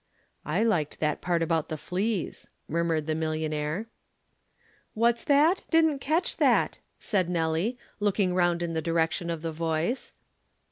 "I liked that part about the fleas," murmured the millionaire. "What's that? Didn't catch that," said Nelly, looking round in the direction of the voice.